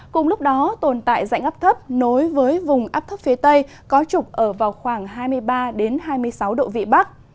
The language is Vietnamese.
cùng lúc đó tồn tại rãnh ấp thấp nối với vùng áp thấp phía tây có trục ở vào khoảng hai mươi ba hai mươi sáu độ vị bắc